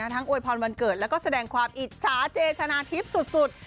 อวยพรวันเกิดแล้วก็แสดงความอิจฉาเจชนะทิพย์สุด